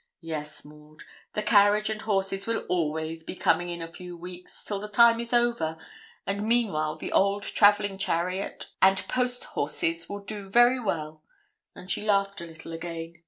'Yes, Maud, the carriage and horses will always be coming in a few weeks, till the time is over; and meanwhile the old travelling chariot and post horses will do very well;' and she laughed a little again.